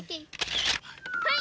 はい！